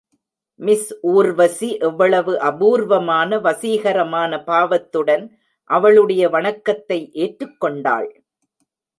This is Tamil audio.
மிஸ் ஊர்வசி எவ்வளவு அபூர்வமான, வசீகரமான பாவத்துடன் அவளுடைய வணக்கத்தை ஏற்றுக்கொண்டாள்?